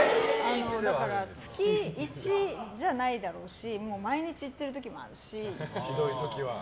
月１じゃないだろうし毎日言ってる時もあるし。